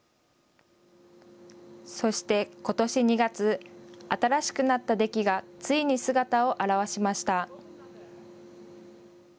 そして、ことし２月、新しくなったデキがついに姿を現しました。